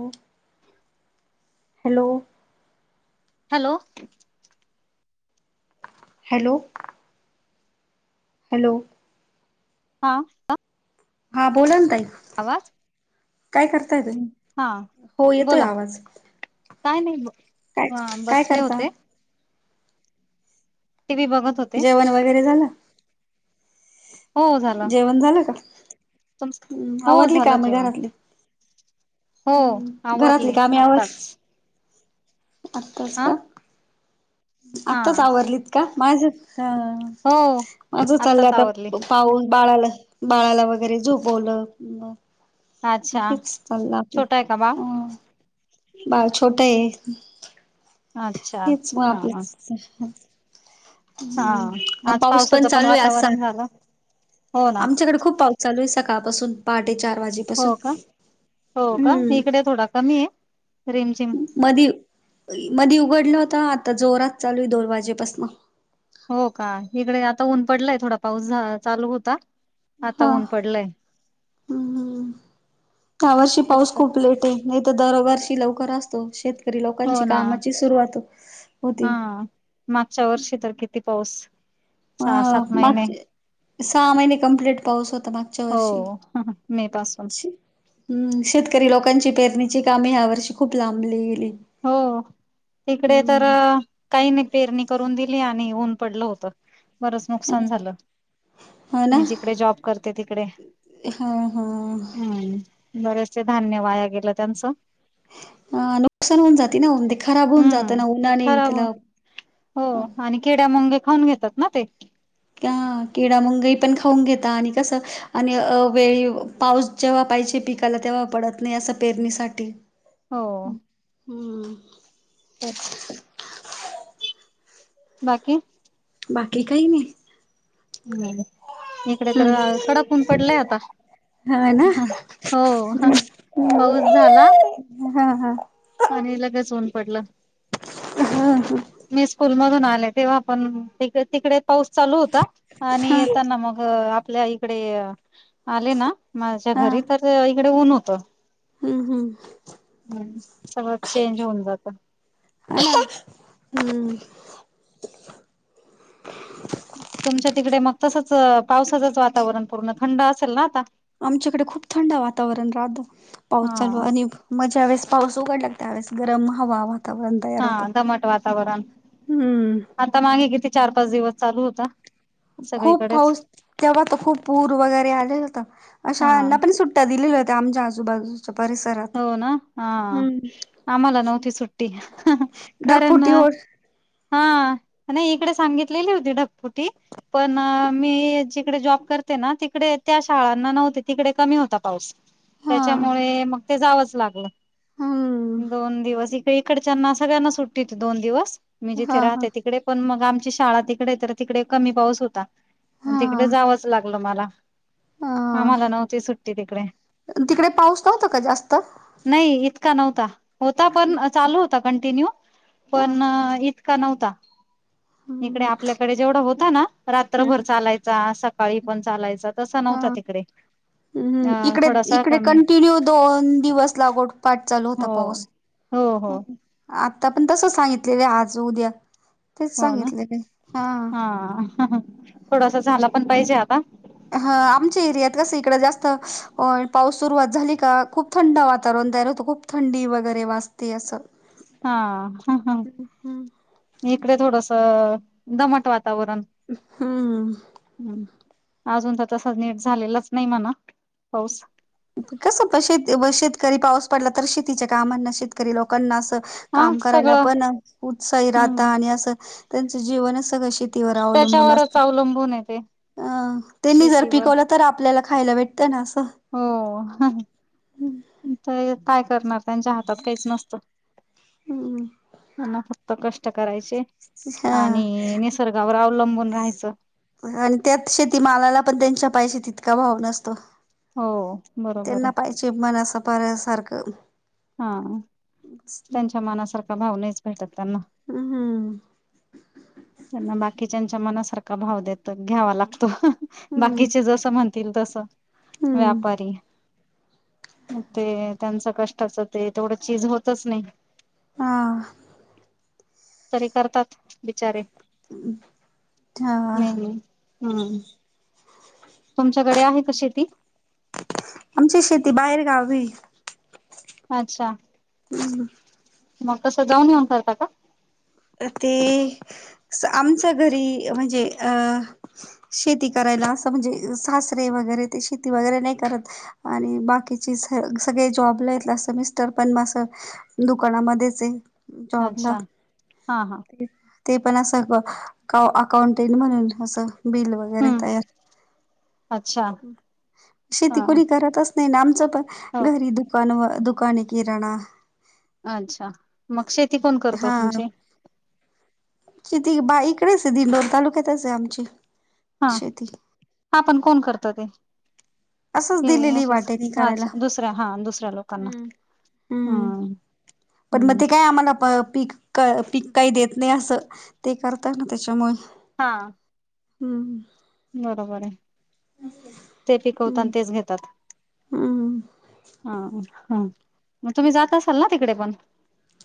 हो hello hello hello. Hello, हा का हा बोलाना ताई काय करताय तुम्ही? हा हो येतोय बोला आवाज, काय, काय बसले करता? होते टी व्ही बघत होते जेवण वगैरे झालं हो झालं जेवण झालं का? तुम हो आवरली झालं कामं जेवण घरातली? हो हम्म,, घरातली आवरले कामे आवरली, आत्ताच आताच हा का. हा आताच आवरलीत का, माझं, हो माझं चाललंय आत्ताच आवरली आताऽ पाऊस बाळाला, बाळाला वगैरे झोपवलं, मगऽ अच्छा तेच चाललंय आपलं,, छोटा आहे का बाळ हं,, बाळ छोटंय. अच्छा हेच, मग हा आपलं,, हा मग हा आज पाऊस पण पावसाचं चालू आहे असान, वातावरण झालं हो ना आमच्याकडे खूप पाऊसऽ चालू आहे सकाळपासून, पहाटे चार वाजेपासून हो का, हो का, हम्म इकडे थोडा कमी आहे, रिमझिम. मधी, मधी उघडला होता, आता जोरात चालू आहे दोन वाजेपासनं. हो का, इकडे आता ऊन पडलंय, थोडा पाऊस चालू होता, आता हा, ऊन पडलंय ह् हं, ह्या वर्षी पाऊस खूप लेट नाही तर दरवर्षी लवकर असतो, शेतकरी हो लोकांची ना कामाची सुरुवात हा होती. मागच्या वर्षी तर किती पाऊस, अ सहा सात महिने. मागचे सहा महिने कम्प्लीट पाऊस होता मागच्या हो वर्षी. मे पासून हम्,, शेतकरी लोकांची पेरणीची कामे ह्या वर्षी खूप लांबली गेली. हो, इकडे तर, हम्म काही नाही पेरणी करून दिली आणि ऊन पडलं होतं. बरंच नुकसान झालं, हो ना मी जिकडे जॉब करते तिकडे. हा हा हम्म,, बरेचसे धान्य वाया गेलं त्यांचं. अ नुकसान होऊन जाते ना, ते खराब होऊन हम्म जातं ना उन्हाने, खराब हो त्याला हो, आणि किड्या मुंगे खाऊन घेतात ना ते. हां, किडा मुंगी पण खाऊन घेता, आणि कसं आणि अवेळी पाऊस जेव्हा पाहिजे पिकाला, तेव्हा पडत नाही असं पेरणीसाठी. [unintelligible] हो, हम्म, बस. बाकी? बाकी काही नाही हम्म्म, इकडे तर कडक ऊन पडलंय आता. होय ना, हो पाऊस हा हा. आणी लगेच ऊन पडलं. हा हा. मी स्कूल मधून आले, तेव्हा पण त तिकडे पाऊस चालू होता, आणि हा येताना मग आपल्या इकडे आले ना, माझ्या हा घरी, तर इकडे ऊन होतं. हम्म हम्म हम्म,, सगळं चेंज होऊन जातं. ह [unintelligible] हम्म. तुमच्या तिकडे मग तसंच पावसाचंच वातावरण पूर्ण थंड असेल ना आता. आमच्याकडे खूप थंड वातावरण राहतं. पाऊस चालू हा आणि म ज्यावेळेस पाऊस उघडला त्या त्यावेळेस गरम हवा वातावरण तयार हा होतं. दमट वातावरण हम्म आता मागे किती चार पाच दिवस चालू होता. खूप सगळीकडेच पाऊस तेव्हा खूप पूर वगैरे आलेल होता अ हा शाळाना पण सुट ट्टया दिल्या होत्या आमच्या आजूबाजूच्या परिस्थ हो ना हा आम्हाला नव्हती सुट्टी कारण ढगफुटी होत हा नाही इकडे सांगितलेली होती ढगफुटी पण मी जिकडे जॉब करते ना तिकडे त्या शाळांना नव्हते तिकडे कमी होता पाऊस. हा त्याच्यामुळे मग ते जावंच लागलं हम्म. दोन दिवस इकडच्यांना सगळ्यांना सुट्टी होती दोन दिवस मी हा जिथे हा राहते तिकडे. पण मग आमची शाळा तिकडे तर तिकडे कमी पाऊस होता. मग हा तिकडे जावंच लागलं मला. हा आम्हाला नव्हती सुट्टी तिकडे. तिकडे पाऊस नव्हता का जास्त? नाही इतका नव्हता होता हम्म. पण चालू होता कंटिन्यू हा पण इतका नव्हता इकडे हम्म. आपल्याकडे जेवढा होता ना रात्रभर हम्म. चालायचा सका सकाळी पण चालायचा तसा नव्हता तिकडे. अ हम्म् इकडे थोडासा इकडे कमी कंटिन्यू दोन दिवस लागो पाठ चालू हो होता पाऊस. हो हो. हम्म. आता पण तस सांगितलेले आहे आज उद्या तेच सांगितलेले हा. ह ह थोडासा झाला पण पाहिजे आता. ह आमच्या एरियात कसं इकडं जास्त पाऊस सुरुवात झाली का खूप थंड वातावरण तयार होतं खूप थंडी वगैरे वाजते असं हा हम्म इकडे थोडस दमट वाता वातावरण हम्म हम्. अजून तर तस नीट झालेलाच नाही म्हणा पाऊस. कस श शेतकरी पाऊस पडला तर शेतीच्या कामांना शेत लोकांना असं हा काम करायला सगळं पण उत्साही राहत हम्म आणि असं त्यांचं जीवनच सगळं शेतीवर अवलंबून त्याच्यावरच असतं. अवलंबून येते. अं त्यांनी जर पिकवलं तर आपल्याला खायला भेटतं ना असं हो काय करणार त्यांच्या हातात काहीच नसतं. हम्म त्यांना फक्त कष्ट करायचे हा आणि निसर्गावर अवलंबून राहायचं. आणि त्यात शेतीमालाला पण त्यांच्या पाहिजे तितका भाव नसतो. हो बरोबर आहे. जिमान असं पार सारखं‌. हा त्यांच्या मनासारखा भाव नाहीच भेटत त्यांना. हम्म. त्यांना बाकीच्यांच्या मनासारखा भाव देत घ्यावा लागतो. हम्म बाकीचे जस म्हण- -तील तस हम्म व्यापारी. मग ते त्यांचं कष्टाचं ते तेवढं चीज होतच नाही. हां. तरी करतात बिचारे. हं. हम्. हम्. तुमच्याकडे आहे का शेती? आमची शेती बाहेर गावी य. अच्छा. मग कसं जाऊन येेऊन करता का? त ते आमच्या घरी म्हणजे अ- शेती करायला असं म्हणजे सासरे वगैरे ते शेती वगैरे नाही करत. आणि बाकीची स सगळे जॉबला येत मिस्टर पण म अस - दुकानामध्येच आहे. जॉबला अच्छा. हा हा. ते पण असं अकाउंटेंट म्हणून, असं बिल व- हम्म अच्छा शेती हा कणी करतच नाही आमच हो पण घरी दुकान व दुकान ए किराणा. अच्छा. मग शेती कोण करत तुमची? किती बा इकडेच आहे. दिंडोरी तालुक्यातच आहे आमची. हा. शेती हा आपण कोण करत ते? असंच हं. दिलेली असच. वाटेनी करायला अच्छा दुसऱ्या हा दुसऱ्या लोकांना. हम्म हम्म. पण मग हम्म ते काय आम्हाला प पीक- पीक काही देत नाही असं. ते करता ना त्याच्यामुळ. हां. हम्म. बरोबर ए. ते पिकवता आणि हम्म तेच घेतात. हम्म हा. हा. मग तुम्ही जात असाल ना तिकडे पण?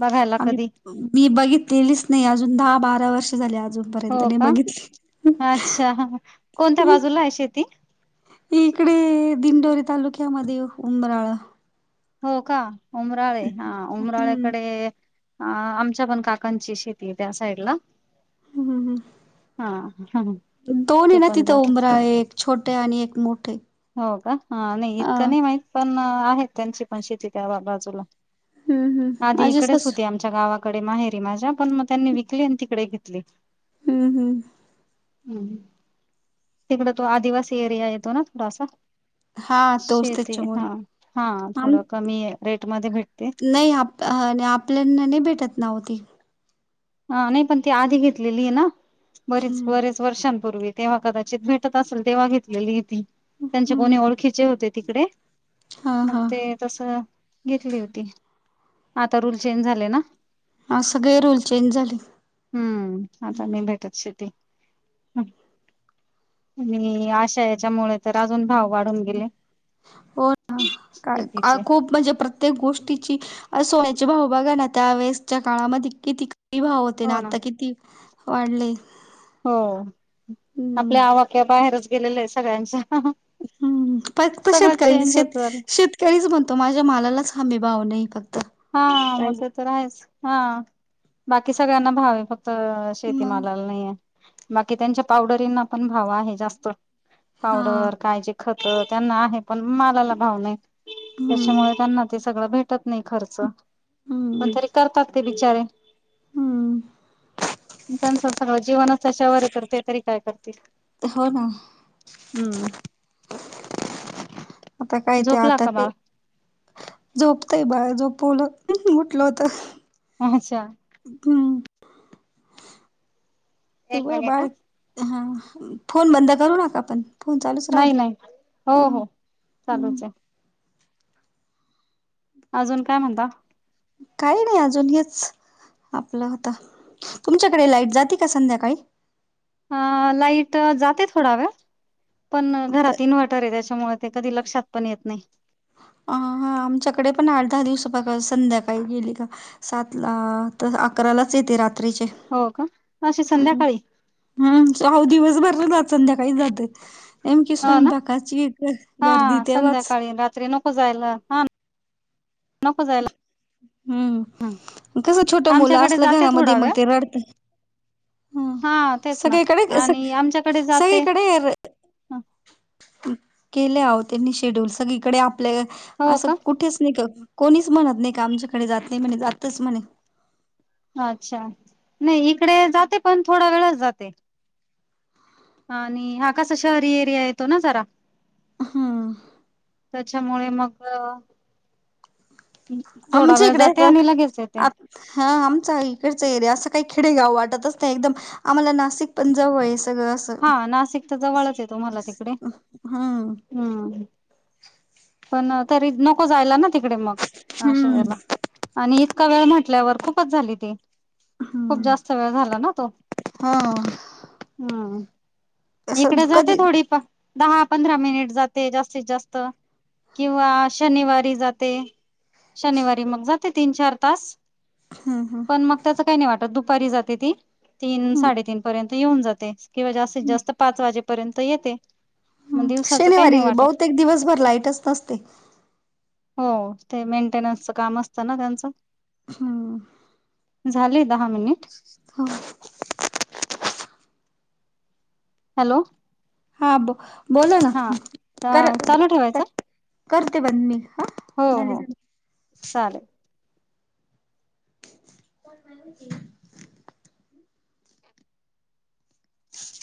बघायला आम्ही कधी मी बघितलेलीच नाही अजून, दहा बारा वर्ष झाले अजून. पर्यंत हो नाही का बघितली. अच्छा कोणत्या बाजूला आहे शेती इकडे दिंडोरी तालुक्यामध्ये उंबराळा. हो का? उमराळे हां. हम्म उमराळेकडे- अ आमच्या पण काकांची शेती ए त्या साईड ला. हम्म हां. हं. हं. दोन आहे ते ना पण तिथं जात. उंबरा एक छोटे आणि एक मोठे. हो का? हं नाही अ इतकं नाही माहित. पण आहेत त्यांची पण शेती क त्या बाजूला. हम्म हम्म आधी माझे इकडेच सासू होते आमचे- च्या गावाकडे माहेरी माझ्या. पण मग त्यांनी विकली आणि तिकडे घेतली. हम्म. हम्म. हम्. तिकडं तो आदिवासी एरिया येतो ना थोडासा? हा तोच शेती. त्याच्यामुळे हा. हा. आम थोडं कमी रेटमध्ये भेटते. आ आणि आपल्यांना नाही भेटत ना हो ती. हा. नाही पण ती आधी घेतलेली ए ना? बरीच बरीच. वर्षांपूर्वी. तेव्हा कदाचित भेटत असेल तेव्हा घेतलेली ए ती. त्यांचे कोणी हम्म ओळखीचे होते. तिकडे, हा मग ते तस घेतली होती, आता रूल चेंज झाले ना. अस काय रूल चेंज झालेत. हम्म आता मी भेटत शेती आणि आश्या हेच्यामुळे तर अजून भाव वाढून गेले हो ना काय शेतीचे खूप म्हणजे प्रत प्रत्येक गोष्टीची सोन्याची भाव बघा ना त्यावेेळेसच्या काळामध्ये किती किती भाव होते आणि हो ना आता किती वाढले हो हम्म आपल्या आवाक्या बाहेरच गेलेलं आहे सगळ्यांच हम्म फक्त शेतकरी शेत शेत तरीच म्हणतो माझ्या मालालाच हमी भाव नाही फक्त हा मग पाहिजे ते तर आहेच हा बाकी सगळ्यांना भाव आहे फक्त मग शेतीमालाला नाहीये बाकी त्यांच्या पावडरींना पण भाव आहे जास्त हा पावडर काय खत त्यांना आहे पण मालाला भाव नाही हम्म त्याच्यामुळे त्यांना ते सगळं भेटत नाही खर्च पण हम्म तरी करतात ते बिचारे हम्म त्यांचं सगळं जीवनच त्याच्यावर तर ते तरी काय करतील हो ना.. हम्म.. आता काय ते झोपला आता का ते बाळ झोपतय बाळ झोपवलं उठलं होत.. अच्छा! हम्म.. झोपतंय एक मिनिट हा हा.. बाळ हा फोन बंद करू नका पण फोन चालूच राहू नाही द्या. नाही.. अ हो हो.. हम्म चालूच आहे. अजून काय म्हणता? काही नाही. अजून हेच, आपलं आता तुमच्याकडे लाईट जाती का संध्याकाळी? अ लाईट जाते थोडा वेळ. पण घरात इन्व्हर्टर आहे त्याच्यामुळे ते कधी लक्षात पण येत नाही अ हा आमच्याकडे पण आठ दहा दिवस बघा संध्याकाळी गेली का सात ला तर अकरालाच येते रात्रीचे हो का? अशी संध्याकाळी.. हम्.. चार दिवस भरला आज. संध्याकाळी जातेत, नेमकी हो ना स्वयंपाकाची गर गर्दी हा तेव्हाच संध्याकाळी रात्री न को जायला हा नको जायला हम्म.. ह कस छोट मुलं आमच्याकडे असलं जाते घरामध्ये थोडा मग वेळ ते रडत. ह हा तेच ना सगळीकडे स आणि आमच्याकडे जाते सगळीकडे. केले अहो त्यांनी शेड्यूल सगळीकडे आप आपल्या हो असं का कुठेच नाही का कोणीच म्हणत नाही का आमच्याकडे जात नाही म्हणे जातच म्हणे अच्छा नाही इकडे जाते पण थोडा वेळच जाते. आणि हा कसा शहरी एरिया येतो ना जरा. हा. त्याच्यामुळे मग थोडा आमच्या वेळ इकडे जाते, आणि येतात लगेच येते. आ हा आमचा इकडचा एरिया असं काही खेडेगाव वाटतच नाही एकदम आम्हाला नाशिक पण जवळ आहे. सगळं असं हा नाशिक तर जवळचे तुमाला तिकडे? हम्म हम्म, पण तरी नको जायला ना तिकडे मग हम्म नाशिकला. आणि इतका वेळ म्हटल्यावर खूपच झाली ती. खूप हम्म जास्त वेळ झाला ना तो. हा हम् असं इकडे जाते कधी थोडी प दहा पंधरा मिनिट जाते जास्तीत जास्त. किंवा शनिवारी जाते. शनिवारी मग जाते तीन चार तास. हम हम. पण मग त्याचं काही नाही वाटत, दुपारी जाते ती तीन हम्म साडेतीन पर्यंत येऊन जाते. किंवा जास्तीत जास्त पाच वाजेपर्यंत येते. मग हम, दिवसाचं काही नाही शनिवारी वाटत बहुतेक दिवसभर लाईटच नसते. हो, ते मेंटेनन्सचं काम असतं ना त्यांचं. हम. झाले दहा मिनिट? हो. हॅलो. हा ब बोल ना हा कर चालू ठेवायचं करते बंद मी हा. हो झाले हो झाले चालेल. कोण माहि होती? ह [unintelligible]